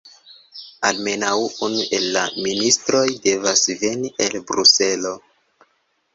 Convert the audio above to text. Almenaŭ unu el la ministroj devas veni el Bruselo.